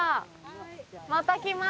また来ます。